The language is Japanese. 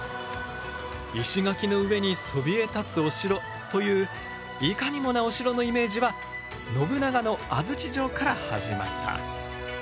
石垣の上にそびえ立つお城といういかにもなお城のイメージは信長の安土城から始まった。